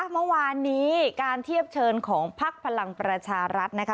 เมื่อวานนี้การเทียบเชิญของพักพลังประชารัฐนะคะ